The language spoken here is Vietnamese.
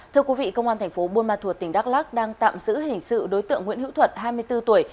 thưa quý vị công an thành phố buôn ma thuột tỉnh đắk lắc đang tạm giữ hình sự đối tượng nguyễn hữu thuận hai mươi bốn tuổi